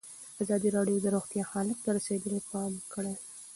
ازادي راډیو د روغتیا حالت ته رسېدلي پام کړی.